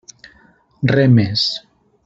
Re més.